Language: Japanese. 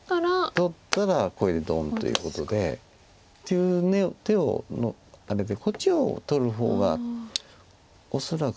取ったらここへドンということで。っていう手のあれでこっちを取る方が恐らく。